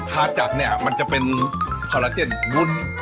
ขาจักรเนี่ยมันจะเป็นขอเลจนวุ้น